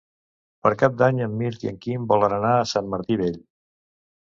Per Cap d'Any en Mirt i en Quim volen anar a Sant Martí Vell.